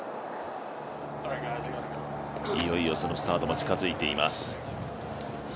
いよいよそのスタートが近づいています。